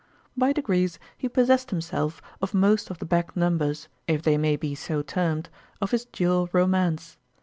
By degrees he possessed himself of most of the back numbers, if they may be so termed, of his dual romance.